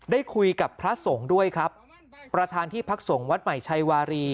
ได้คุยกับพระสงฆ์ด้วยครับประธานที่พักสงฆ์วัดใหม่ชัยวารี